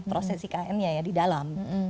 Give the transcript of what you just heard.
proses iknnya ya di dalam